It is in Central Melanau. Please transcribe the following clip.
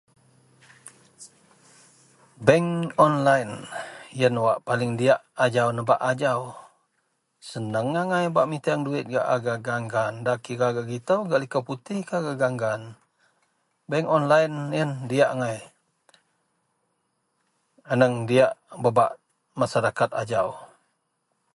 . Bank onlaen, yen wak paling diyak ajau nebak ajau. Seneng angai bak miteang duwit gak a gak gaan-gaan nda kira gak gitou, gak likou putihkah, gak gaan-gaan. Bank onlaen yen diyak angai. Aneng diyak bak-bak masarakat ajau.